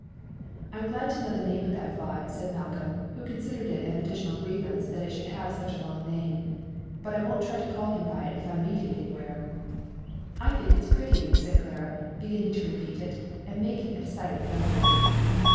"I'm glad to know the name of that fly," said Malcolm, who considered it an additional grievance that it should have such a long name, "but I won't try to call him by it if I meet him anywhere." "I think it's pretty," said Clara, beginning to repeat it, and making a decided failure.